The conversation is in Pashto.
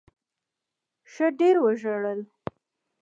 ښه ډېر وژړل.